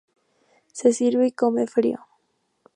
Se sirve y come frío.